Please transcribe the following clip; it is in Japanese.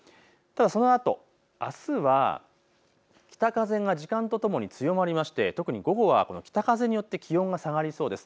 ただそのあと、あすは北風が時間とともに強まりまして特に午後はこの北風によって気温が下がりそうです。